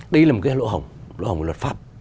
đây là một cái lỗ hỏng lỗ hổng của luật pháp